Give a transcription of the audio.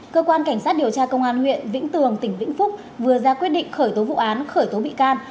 cơ quan cảnh sát điều tra công an huyện vĩnh tường tỉnh vĩnh phúc vừa ra quyết định khởi tố vụ án khởi tố bị can